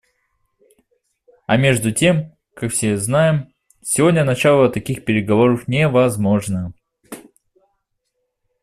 А между тем, как все знаем, сегодня начало таких переговоров невозможно.